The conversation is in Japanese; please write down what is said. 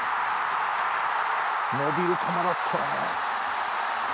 「伸びる球だったな」